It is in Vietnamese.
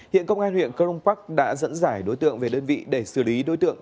hiện công an huyện crong park đã dẫn dải đối tượng về đơn vị để xử lý đối tượng